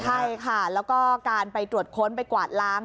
ใช่ค่ะแล้วก็การไปตรวจค้นไปกวาดล้าง